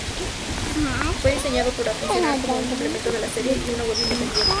Fue diseñado para funcionar como un complemento de la serie y una web independiente.